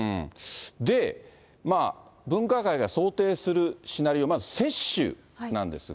で、分科会が想定するシナリオ、まず接種なんですが。